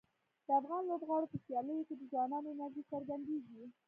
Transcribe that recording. د افغان لوبغاړو په سیالیو کې د ځوانانو انرژي څرګندیږي.